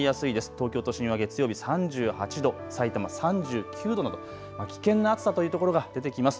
東京都心は月曜日３８度、さいたま３９度など危険な暑さというところが出てきます。